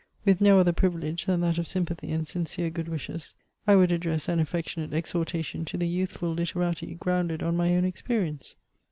With no other privilege than that of sympathy and sincere good wishes, I would address an affectionate exhortation to the youthful literati, grounded on my own experience.